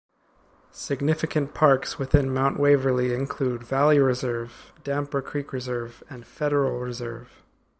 Significant parks within Mount Waverley include Valley Reserve, Damper Creek Reserve, and Federal Reserve.